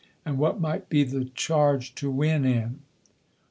and what might be the charge to win in?"